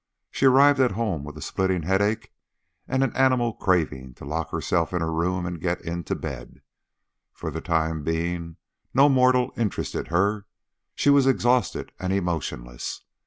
She arrived at home with a splitting headache and an animal craving to lock herself in her room and get into bed. For the time being no mortal interested her, she was exhausted and emotionless.